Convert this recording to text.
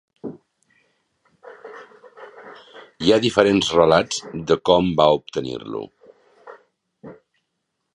Hi ha diferents relats de com va obtenir-lo.